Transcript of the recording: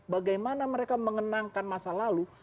bagaimana mereka mengenangkan masa lalu